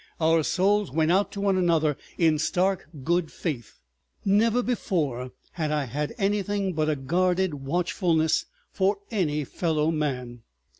Our souls went out to one another in stark good faith; never before had I had anything but a guarded watchfulness for any fellow man.